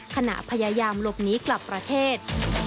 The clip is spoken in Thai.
ขณะพยายามหลบหนีกลับประเทศ